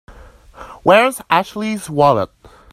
Where's Ashley's wallet?